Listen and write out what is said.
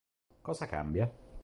Cosa cambia?